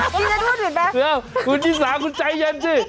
จริงถูกหรือเปล่าคุณชีสาคุณใจเย็นสิ